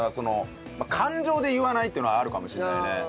感情で言わないっていうのはあるかもしれないね。